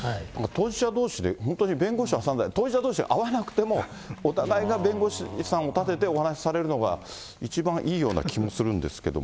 当事者どうしで、本当に弁護士挟んで、当事者どうしが会わなくても、お互いが弁護士さんを立てて、お話しされるのが一番いいような気もするんですけど。